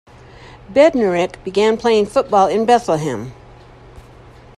Bednarik began playing football in Bethlehem.